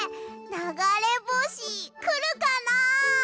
ながれぼしくるかなあ？